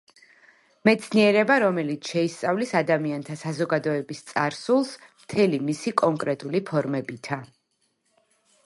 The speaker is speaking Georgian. მეცნიერება რომელიც შეისწავლის ადამიანთა საზოგადოების წარსულს მთელი მისი კონკრეტული ფორმებითა